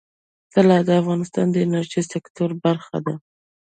طلا د افغانستان د انرژۍ سکتور برخه ده.